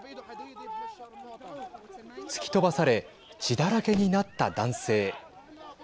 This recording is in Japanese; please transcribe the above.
突き飛ばされ血だらけになった男性。